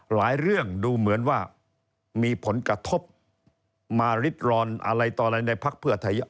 เรื่องดูเหมือนว่ามีผลกระทบมาริดร้อนอะไรต่ออะไรในพักเพื่อไทยเยอะ